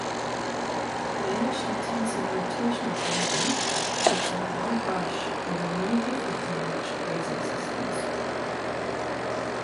Managed intensive rotational grazing paints a wide brush over many different managed grazing systems.